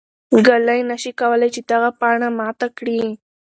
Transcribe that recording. ږلۍ نه شي کولای چې دغه پاڼه ماته کړي.